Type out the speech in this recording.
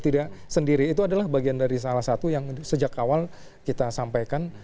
tidak sendiri itu adalah bagian dari salah satu yang sejak awal kita sampaikan